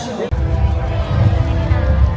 สโลแมคริปราบาล